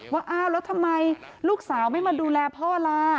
ว่าอ้าวแล้วทำไมลูกสาวไม่มาดูแลพ่อล่ะ